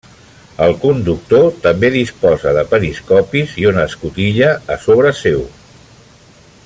El conductor també disposa de periscopis i una escotilla a sobre seu.